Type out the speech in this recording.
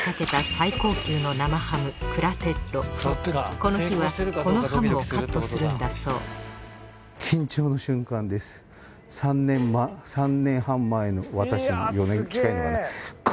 この日はこのハムをカットするんだそう私の４年近いのかな。